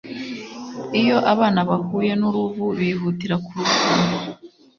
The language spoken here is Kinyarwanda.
lyo abana bahuye n'uruvu, bihutira kuruvuma